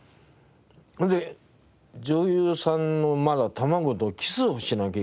それで女優さんのまだ卵とキスをしなきゃいけない。